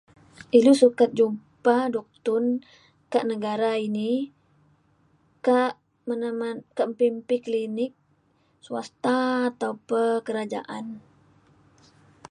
ilu sukat jumpa duktun kak negara ini kak mana ma- mpi mpi klinik swasta atau pe kerajaan